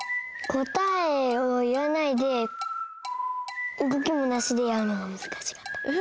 こたえをいわないでうごきもなしでやるのがむずかしかった。